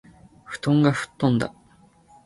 布団が吹っ飛んだ